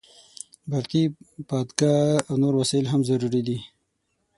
برقي بادپکه او نور وسایل هم ضروري دي.